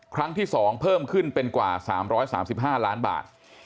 ครั้งที่๒เพิ่มขึ้นเป็นกว่า๓๓๕ล้านบาท